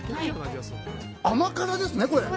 甘辛ですね。